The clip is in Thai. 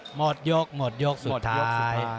หมดยกหมดยกสุดท้าย